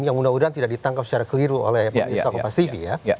semoga tidak ditangkap secara keliru oleh pak yusof kompas tv